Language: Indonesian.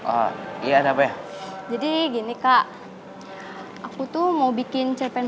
eh bangkuan men